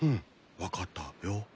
分かったよ。